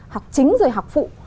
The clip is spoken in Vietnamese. học chính rồi học phụ